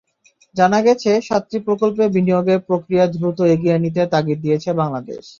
জানা গেছে, সাতটি প্রকল্পে বিনিয়োগের প্রক্রিয়া দ্রুত এগিয়ে নিতে তাগিদ দিয়েছে বাংলাদেশ।